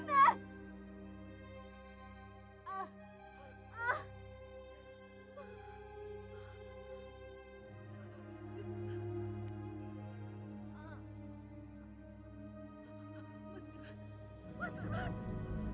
mas firman dimana